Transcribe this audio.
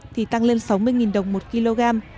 thì tăng lên sáu mươi đồng một kg